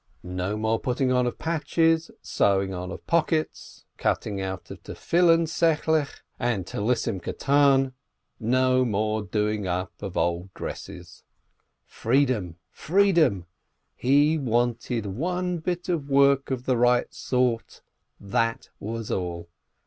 No more putting on 246 LEENEE of patches, sewing on of pockets, cutting out of "Tefillin Sacklech" and "little prayer scarfs," no more doing up of old dresses. Freedom, freedom — he wanted one bit of work of the right sort, and that was all